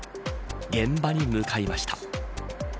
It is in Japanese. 現場に向かいました。